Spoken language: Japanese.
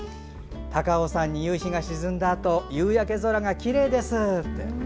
高尾山に夕日が沈んだあと夕焼け空が本当にきれいです。